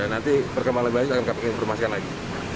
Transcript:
nanti perkembangan lebih lanjut akan kami informasikan lagi